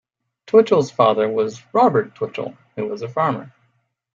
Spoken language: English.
Twitchell's father was Robert Twitchell who was a farmer.